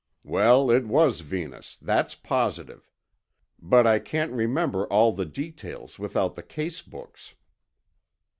Well, it was Venus, that's positive. But I can't remember all the details without the case books.